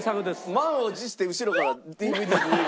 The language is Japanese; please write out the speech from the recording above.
満を持して後ろからＤＶＤ。